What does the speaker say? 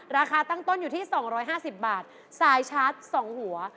ราคาตั้งต้นอยู่ที่๒๕๐บาทสายชาร์จ๒หัว